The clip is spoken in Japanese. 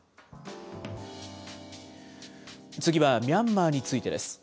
次はミャンマーについてです。